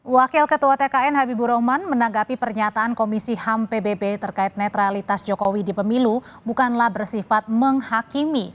wakil ketua tkn habibur rahman menanggapi pernyataan komisi ham pbb terkait netralitas jokowi di pemilu bukanlah bersifat menghakimi